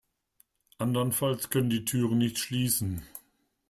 Andernfalls können die Türen nicht schließen.